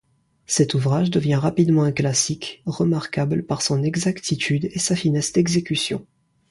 Cet ouvrage devient rapidement un classique, remarquable par son exactitude et sa finesse d’exécution.